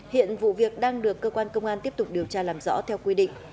hiện vụ việc đang được cơ quan công an tiếp tục điều tra làm rõ theo quy định